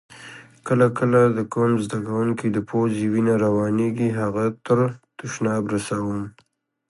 کله کله د کوم زده کونکي له پوزې وینه روانیږي هغه تر تشناب رسوم.